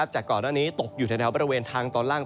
จากก่อนหน้านี้ตกอยู่แถวบริเวณทางตอนล่าง